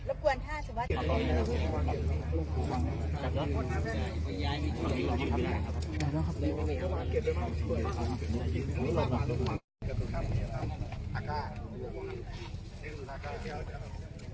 อ่าชิคกี้พายให้เขาดูแค่เนี้ย